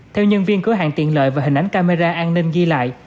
theo nhân viên cửa hàng tiện lợi và hình ảnh camera an ninh ghi lại